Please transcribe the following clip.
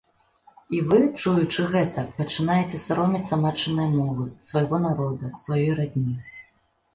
І вы, чуючы гэта, пачынаеце саромецца матчынай мовы, свайго народа, сваёй радні.